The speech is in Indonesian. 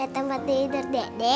tempat tidur dede